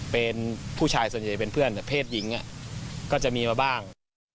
เป็นผู้ชายส่วนใหญ่เป็นเพื่อนเพศหญิงก็จะมีมาบ้าง